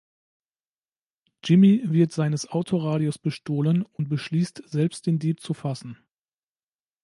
Jimmy wird seines Autoradios bestohlen und beschließt selbst den Dieb zu fassen.